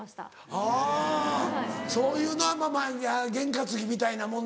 あぁそういうのは験担ぎみたいなもんで。